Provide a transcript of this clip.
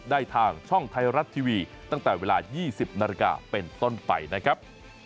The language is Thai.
ได้ทางช่องไทยรัฐทีวีตั้งแต่เวลา๒๐นาฬิกาเป็นต้นไปนะครับ